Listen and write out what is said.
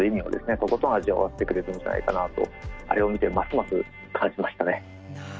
とことん味わわせてくれるんじゃないかなとあれを見てますます感じましたね。